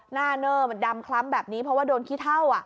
หน้าเนอร์มันดำคล้ำแบบนี้เพราะว่าโดนขี้เท่า